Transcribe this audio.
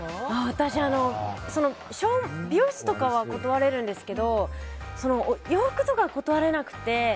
私、美容室とかは断れるんですけど洋服とかは断れなくて。